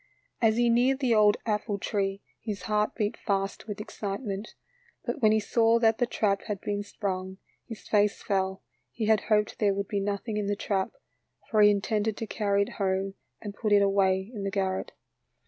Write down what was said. As he neared the old apple tree his heart beat fast with excitement. But when he saw that the trap had been sprung, his face fell, he had hoped there would be nothing in the trap, for he intended to carry it home and put it away in the garret.